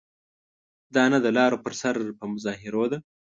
دا نه د لارو پر سر په مظاهرو ده.